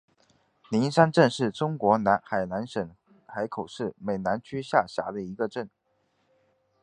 灵山镇是中国海南省海口市美兰区下辖的一个镇。